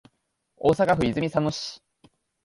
大阪府泉佐野市